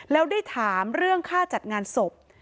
แล้วได้ถามเรื่องค่าจัดงานศพ